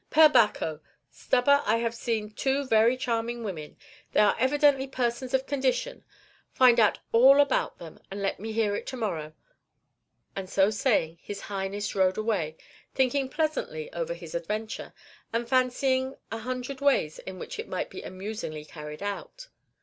"Per Bacco! Stubber, I have seen two very charming women. They are evidently persons of condition; find out all about them, and let me hear it to morrow." And so say ing, his Highness rode away, thinking pleasantly over his adventure, and fancying a hundred ways in which it might be amusingly carried out.